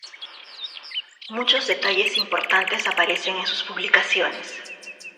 Muchos detalles importantes aparecen en sus publicaciones.